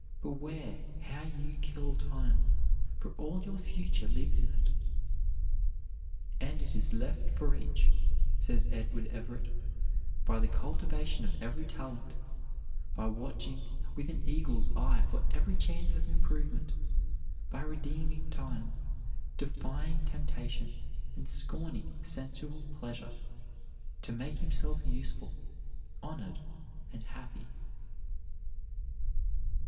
Beware how you kill time, for all your future lives in it. "And it is left for each," says Edward Everett, "by the cultivation of every talent, by watching with an eagle's eye for every chance of improvement, by redeeming time, defying temptation, and scorning sensual pleasure, to make himself useful, honored, and happy."